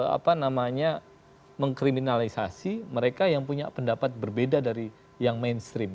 apa namanya mengkriminalisasi mereka yang punya pendapat berbeda dari yang mainstream